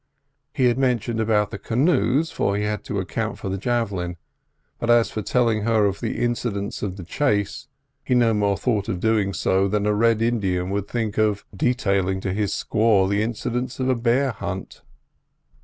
He had mentioned about the canoes, for he had to account for the javelin; but as for telling her of the incidents of the chase, he no more thought of doing so than a red Indian would think of detailing to his squaw the incidents of a bear hunt.